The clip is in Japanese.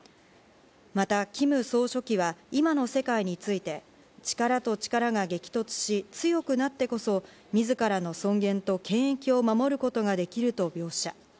またキム総書記は今の世界について、力と力が激突し、強くなってこそ自らの尊厳と権益を守ることができると描写。